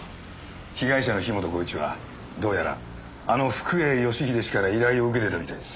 被害者の樋本晃一はどうやらあの福栄義英氏から依頼を受けてたみたいです。